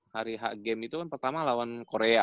hari h game itu kan pertama lawan korea ya